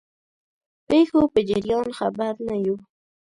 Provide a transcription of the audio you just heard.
پیښو په جریان خبر نه وو.